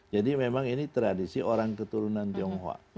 jadi memang ini tradisi orang keturunan tionghoa